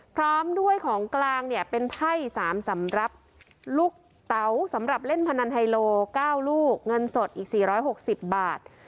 พร้อมด้วยของกลางเนี่ยเป็นไพ่๓สำหรับลูกเต๋าสำหรับเล่นพนันไฮโล๙ลูกเงินสดอีก๔๖๐บาท